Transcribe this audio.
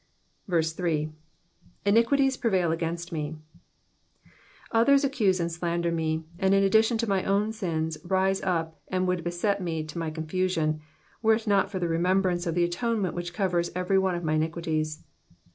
3. ^^ Iniquities prevail against wi^." Others accuse and slander me, and in addition to my own sins rise up and would beset me to my confusion, were it not for the remembrance of the atonement which covers every one of my iniquities.